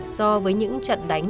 so với những trận đánh